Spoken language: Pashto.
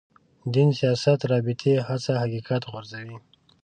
دین سیاست رابطې هڅه حقیقت غورځوي.